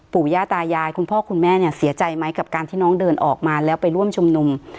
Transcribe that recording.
ย่าตายายคุณพ่อคุณแม่เนี่ยเสียใจไหมกับการที่น้องเดินออกมาแล้วไปร่วมชุมนุม